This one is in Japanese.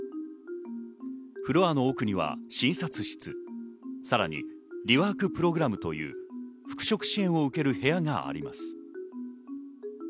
フロアの奥には診察室、さらにリワークプログラムという復職支援を受ける部屋があります。